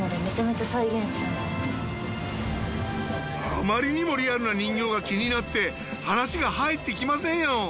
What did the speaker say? あまりにもリアルな人形が気になって話が入ってきませんよ。